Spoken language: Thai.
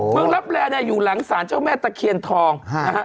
เมืองลับแลอยู่หลังศาลเจ้าแม่ตะเขียนทอง